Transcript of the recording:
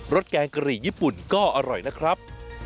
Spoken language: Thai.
แกงกะหรี่ญี่ปุ่นก็อร่อยนะครับ